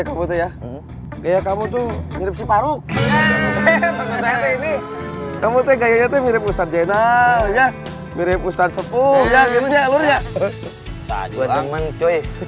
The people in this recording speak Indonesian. ini kamu teganya tebir pusat jena ya mirip ustadz sepuh ya lalu ya